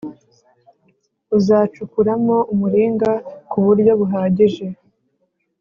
uzacukuramo umuringa ku buryo buhagije